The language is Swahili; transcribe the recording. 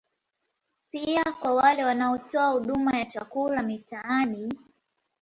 Pia kwa wale wanaotoa huduma ya chakula mitaani